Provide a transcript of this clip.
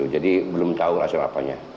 jadi belum tahu langsung apanya